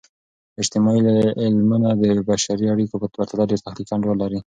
اجتماعي علمونه د بشري اړیکو په پرتله ډیر تخلیقي انډول لري.